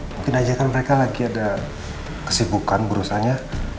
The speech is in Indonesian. mungkin aja kan mereka lagi ada kesibukan berusahanya